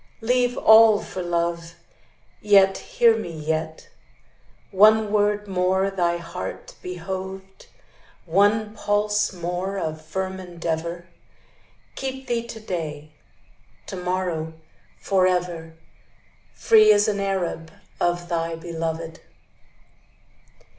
Leave all for love; Yet, hear me, yet, One word more thy heart behoved, One pulse more of firm endeavor, Keep thee to day, To morrow, forever, Free as an Arab Of thy beloved.